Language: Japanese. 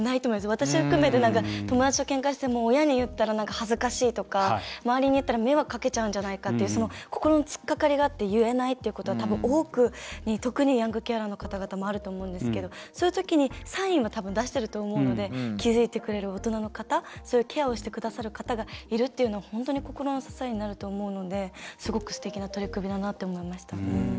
私を含めて友達と、けんかしても親に言ったら恥ずかしいとか周りに言ったら迷惑かけちゃうんじゃないかっていう心の突っかかりがあって言えないっていうことが多く特にヤングケアラーの方々もあると思うんですけどそういうときにサインはたぶん出してると思うので気付いてくれる大人の方そういうケアをしてくださる方がいるっていうのは本当に心の支えになると思うのですごくすてきな取り組みだなって思いましたね。